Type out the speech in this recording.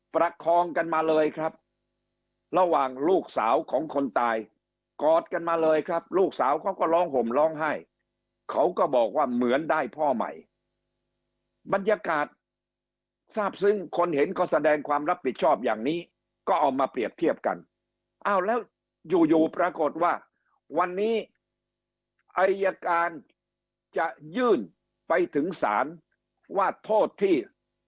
ประคองกันมาเลยครับระหว่างลูกสาวของคนตายกอดกันมาเลยครับลูกสาวเขาก็ร้องห่มร้องไห้เขาก็บอกว่าเหมือนได้พ่อใหม่บรรยากาศทราบซึ้งคนเห็นก็แสดงความรับผิดชอบอย่างนี้ก็เอามาเปรียบเทียบกันอ้าวแล้วอยู่อยู่ปรากฏว่าวันนี้อายการจะยื่นไปถึงศาลว่าโทษที่